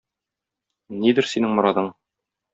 Нидер синең морадың?